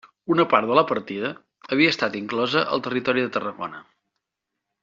Una part de la partida havia estat inclosa al Territori de Tarragona.